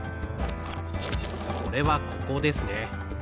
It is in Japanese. それはここですね。